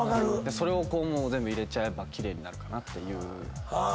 それを全部入れちゃえば奇麗になるかなっていう。